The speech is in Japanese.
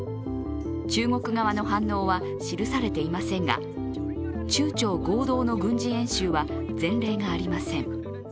中国側の反応は記されていませんが、中朝合同の軍事演習は前例がありません。